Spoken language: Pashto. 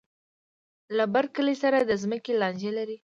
له بر کلي سره د ځمکې لانجه لري.